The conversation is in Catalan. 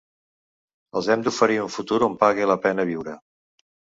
Els hem d’oferir un futur on pague la pena viure.